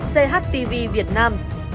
chtv việt nam